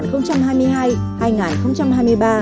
với một tầm thế mới